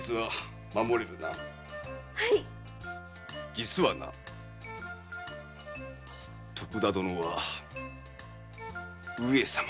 実はな徳田殿は上様なのだ。